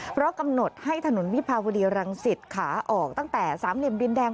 เพราะกำหนดให้ถนนวิภาวดีรังสิตขาออกตั้งแต่สามเหลี่ยมดินแดง